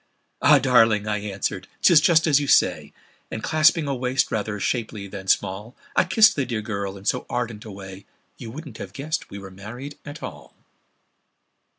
"Ah! darling," I answered, "'tis just as you say;" And clasping a waist rather shapely than small, I kissed the dear girl in so ardent a way You wouldn't have guessed we were married at all!